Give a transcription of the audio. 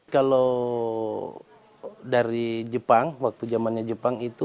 kalau dari jepang waktu zamannya jepang itu